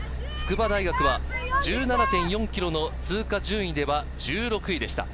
筑波大学は１７．４ｋｍの通過順位では１６位でした。